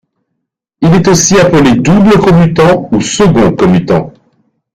Il est aussi appelé double commutant ou second commutant.